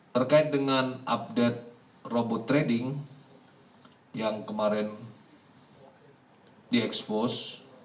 terkait dengan update robot trading yang kemarin diekspos